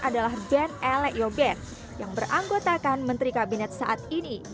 adalah band elek yo band yang beranggotakan menteri kabinet saat ini